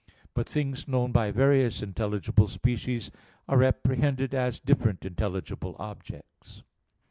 But things known by various intelligible species, are apprehended as different intelligible objects.